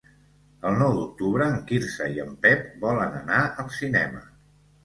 El nou d'octubre en Quirze i en Pep volen anar al cinema.